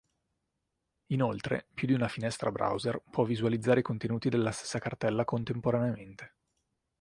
Inoltre, più di una finestra browser può visualizzare i contenuti della stessa cartella contemporaneamente.